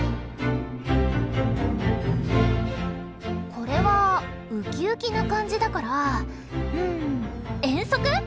これはウキウキな感じだからうん遠足？